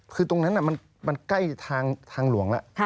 คือตรงนั้นมันใกล้ทางหลวงแล้ว